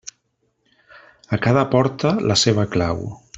A cada porta, la seva clau.